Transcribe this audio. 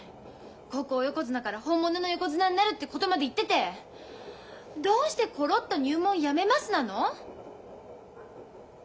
高校横綱から本物の横綱になるってことまで言っててどうしてコロッと入門やめますなの？